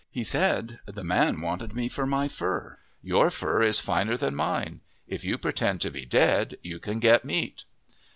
He said, " The man wanted me for my fur. Your fur is finer than mine. If you pretend to be dead, you can get meat."